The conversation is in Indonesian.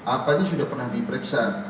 apa ini sudah pernah diperiksa